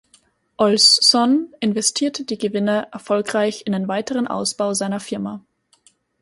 Olsson investierte die Gewinne erfolgreich in den weiteren Ausbau seiner Firma.